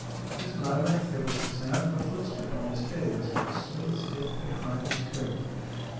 At this moment there was the sound of a footstep on the stairs, and Smeath stepped behind his curtain.